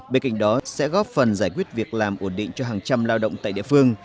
bên cạnh đó sẽ góp phần giải quyết việc làm ổn định cho hàng trăm lao động tại địa phương